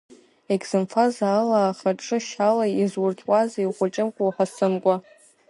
Егьзымфаз ала ахаҿы шьала изурҭәуазеи, ухәыҷымкәа-уҳасымкәа?